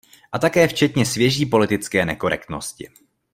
A také včetně svěží politické nekorektnosti.